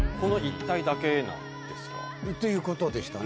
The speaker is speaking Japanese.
いうことでしたね。